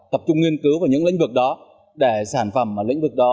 tập trung nghiên cứu vào những lĩnh vực đó để sản phẩm ở lĩnh vực đó